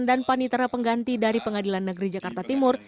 dan panitera pengganti dari pengadilan negeri jakarta timur